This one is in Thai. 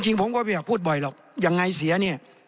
ผมก็ไม่อยากพูดบ่อยหรอกยังไงเสียเนี่ย